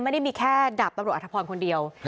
ไม่ได้มีแค่ดาบตำรวจอธพรคนเดียว